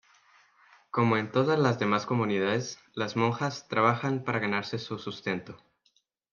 Como en todas las demás comunidades, las monjas trabajan para ganarse su sustento.